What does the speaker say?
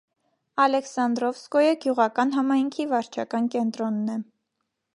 Ալեքսանդրովսկոյե գյուղական համայնքի վարչական կենտրոնն է։